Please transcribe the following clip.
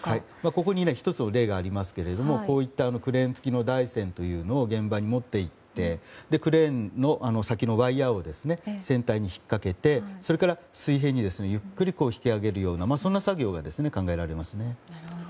ここに１つの例がありますけどこういったクレーン付きの台船というのを現場に持っていってクレーンの先のワイヤを船体に引っかけてそれから水平にゆっくり引き揚げるようなそんな作業が考えられますね。